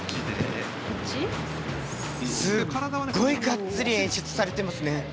がっつり演出されてますね。